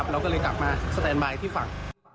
เราก็เลยกลับมาสแตนบายที่ฝั่ง